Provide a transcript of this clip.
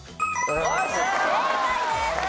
正解です。